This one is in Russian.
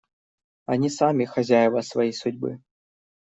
Они сами хозяева своей судьбы.